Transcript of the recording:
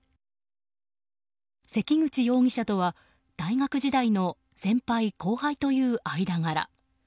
関口容疑者とは大学時代の先輩・後輩という間柄。